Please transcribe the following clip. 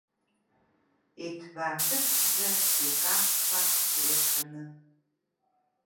Иҭбааҭыцәӡа, икаххаа, илашаны…